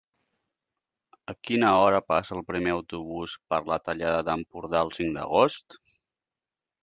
A quina hora passa el primer autobús per la Tallada d'Empordà el cinc d'agost?